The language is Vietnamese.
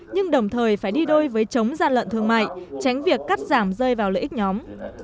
nhưng đồng thời phải đi đôi với chống gian lận thương mại tránh việc cắt giảm rơi vào lợi ích nhóm